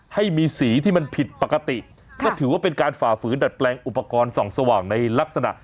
ให้มีสีที่มันผิดปกติก็ถือว่าเป็นการฝ่าฝืนดัดแปลงอุปกรณ์ส่องสว่างในลักษณะ